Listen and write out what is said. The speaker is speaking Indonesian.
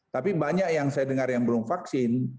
tapi banyak yang saya dengar yang belum vaksin